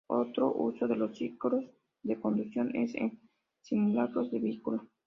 Otro uso de los ciclos de conducción es en simulacros de vehículo.